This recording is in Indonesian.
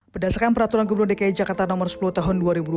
berdasarkan peraturan gubernur dki jakarta nomor sepuluh tahun dua ribu dua puluh